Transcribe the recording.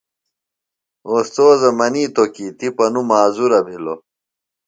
اوستوذہ منیتوۡ کی تِپہ نوۡ معذورہ بِھلوۡ۔